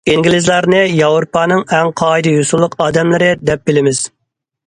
ئىنگلىزلارنى ياۋروپانىڭ ئەڭ قائىدە- يوسۇنلۇق ئادەملىرى دەپ بىلىمىز.